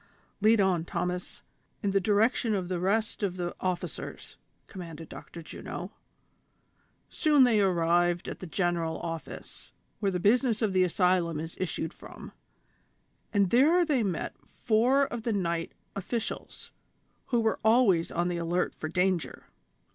" Lead on, Thomas, in the direction of the rest of the officers," commanded Dr. Juno. Soon they arrived at the general office, where the business of the asylum is issued from, and there they met four of the night officials, who were always on the alert for danger.